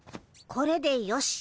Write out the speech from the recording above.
これでよし。